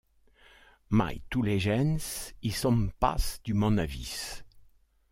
Maitoulégens issonpas du monavis.